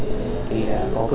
đã đập thành thì còn ba thôi